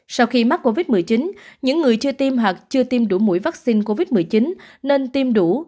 sau khi mắc covid một mươi chín những người chưa tiêm hoặc chưa tiêm đủ mũi vaccine covid một mươi chín nên tiêm đủ